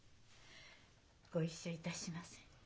ご一緒いたしません？